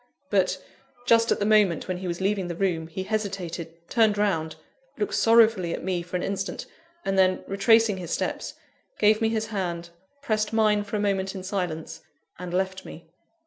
But, just at the moment when he was leaving the room, he hesitated, turned round, looked sorrowfully at me for an instant, and then, retracing his steps, gave me his hand, pressed mine for a moment in silence, and left me.